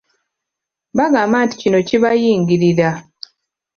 Bagamba nti kino kibayingirira.